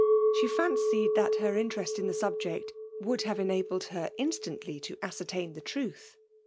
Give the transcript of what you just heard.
She fimcied that her interest in the snbjeci would have enabled her instantly to ascertain the truth.